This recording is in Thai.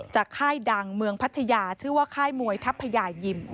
ค่ายดังเมืองพัทยาชื่อว่าค่ายมวยทัพยายิม